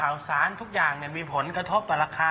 ข่าวสารทุกอย่างมีผลกระทบต่อราคา